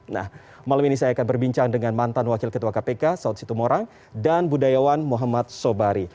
nah malam ini saya akan berbincang dengan mantan wakil ketua kpk saud situmorang dan budayawan muhammad sobari